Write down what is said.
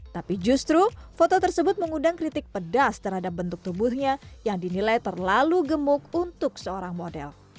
tapi justru foto tersebut mengundang kritik pedas terhadap bentuk tubuhnya yang dinilai terlalu gemuk untuk seorang model